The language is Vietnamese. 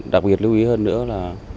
đặc biệt lưu ý hơn nữa là